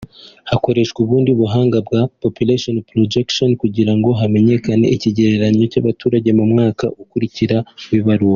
hakoreshwa ubundi buhanga bwa “Population Projection” kugira ngo hamenyekane ikigereranyo cy’abaturage mu myaka ikurikira umwaka w’ibarura